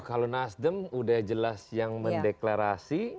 kalau nasdem udah jelas yang mendeklarasi